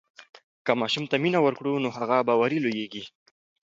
که ماشوم ته مینه ورکړو نو هغه باوري لویېږي.